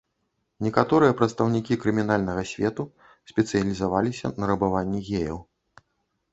Некаторыя прадстаўнікі крымінальнага свету спецыялізаваліся на рабаванні геяў.